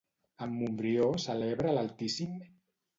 En Montbrió celebra l'Altíssim?